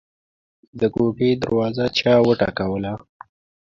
د کوټې دروازه چا وټکوله.